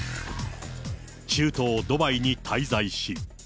中東ドバイに滞在し。